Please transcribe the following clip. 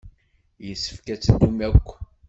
Yessefk ad teddum akk.